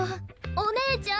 お姉ちゃん。